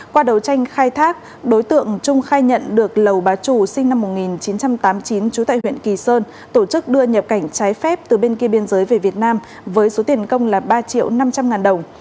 qua đấu tranh khai thác đối tượng trung khai nhận được lầu bá trù sinh năm một nghìn chín trăm tám mươi chín trú tại huyện kỳ sơn tổ chức đưa nhập cảnh trái phép từ bên kia biên giới về việt nam với số tiền công là ba triệu năm trăm linh ngàn đồng